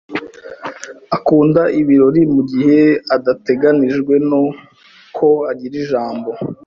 Akunda ibirori, mugihe adateganijwe ko agira ijambo.